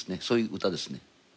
そういう歌ですね。